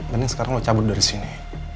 dan yang sekarang lo cabut dari sini